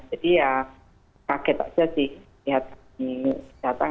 jadi ya kaget saja sih lihat kami datang